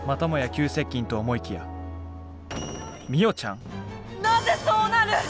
急接近と思いきやなぜそうなる！？